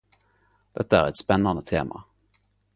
Dette er eit spennande tema.